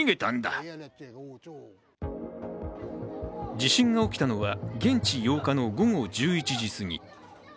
地震が起きたのは現地８日の午後１１時すぎ。